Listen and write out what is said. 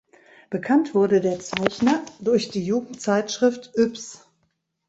Bekannt wurde der Zeichner durch die Jugendzeitschrift Yps.